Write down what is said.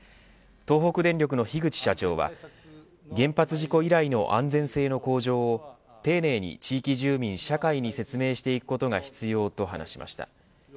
東北電力の樋口社長は原発事故以来の安全性の向上を丁寧に、地域住民、社会に説明していくことが必要と話しました。